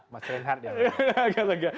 mas renhardt ya agak lega